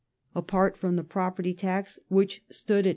Apart from the Property tax, '^'^ which then stood at 2s.